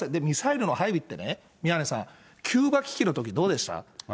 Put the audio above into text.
ミサイルの配備ってね、宮根さん、キューバ危機のとき、どうでした？